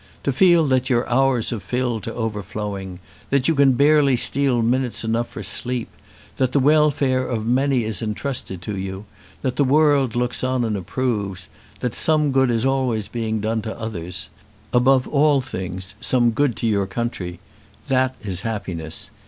To feel that your hours are filled to overflowing, that you can barely steal minutes enough for sleep, that the welfare of many is entrusted to you, that the world looks on and approves, that some good is always being done to others, above all things some good to your country; that is happiness.